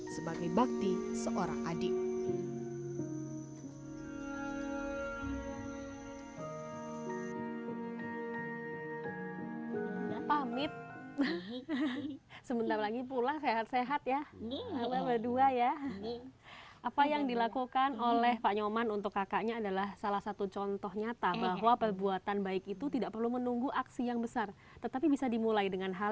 sebagai bakti nyoman akan memiliki kekuatan yang sangat baik